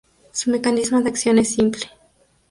Su mecanismo de acción es simple.